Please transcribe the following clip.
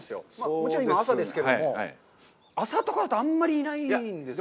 もちろん今、朝ですけれども、朝とかだとあんまりいないんですかね？